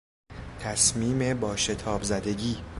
تصمیم با شتابزدگی